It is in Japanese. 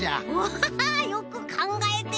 ハハよくかんがえてるね。